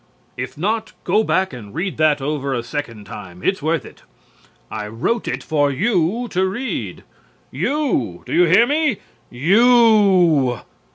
If not, go back and read that over a second time. It's worth it. I wrote it for you to read. You, do you hear me? You!